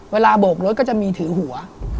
เวลาโบกรถก็จะมีถือหัว